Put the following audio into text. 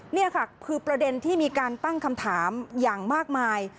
นี่ค่ะคือประเด็นที่มีการตั้งคำถามอย่างมากมาย